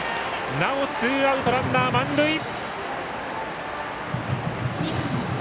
なおツーアウト、ランナー、満塁。